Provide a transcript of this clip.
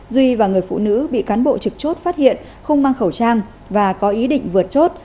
duy và người phụ nữ bị cán bộ trực chốt phát hiện không mang khẩu trang và có ý định vượt chốt